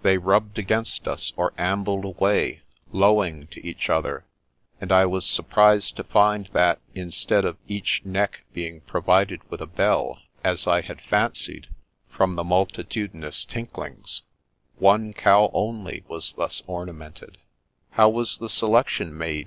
They rubbed against us, or ambled away, lowing to each other, and I was surprised to find that, instead of each neck being provided with a bell, as I had fancied from the multitudinous tinklings, one cow only was thus ornamented. The Brat 1 1 1 " How was the selection made?